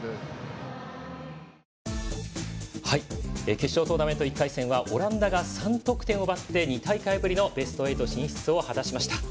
決勝トーナメント１回戦はオランダが３得点を奪って２大会ぶりのベスト８進出を果たしました。